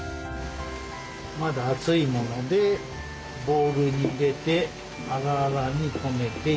まだ熱いものでボウルに入れてあらあらにこねていきます。